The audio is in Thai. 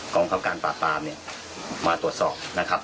กองครับการปราบปรามมาตรวจสอบ